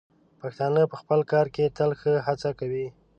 پښتانه په خپل کار کې تل ښه هڅه کوي.